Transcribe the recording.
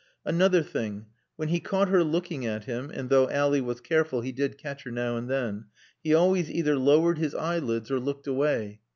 Another thing when he caught her looking at him (and though Ally was careful he did catch her now and then) he always either lowered his eyelids or looked away.